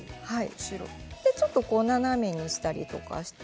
ちょっと斜めにしたりとかして。